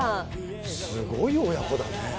すごい親子だね。